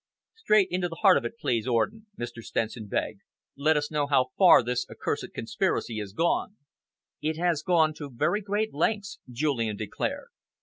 "Straight into the heart of it, please, Orden," Mr. Stenson begged. "Let us know how far this accursed conspiracy has gone." "It has gone to very great lengths," Julian declared.